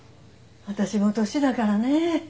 私も年だからねえ。